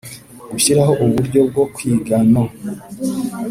Gushyiraho uburyo bwo kwiga no